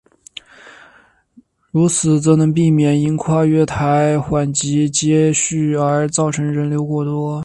如此则能避免因跨月台缓急接续而造成人流过多。